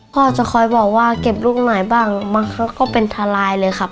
พ่อจะคอยบอกว่าเก็บลูกไหนบ้างบางครั้งก็เป็นทลายเลยครับ